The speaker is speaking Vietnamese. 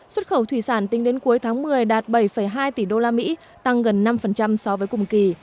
xuất khẩu thủy sản tính đến cuối tháng một mươi đạt bảy hai tỷ usd tăng gần năm so với cùng kỳ